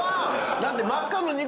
だって。